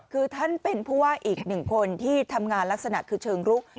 คือท่านเป็นผู้ว่าอีกหนึ่งคนที่ทำงานลักษณะคือเชิงรุก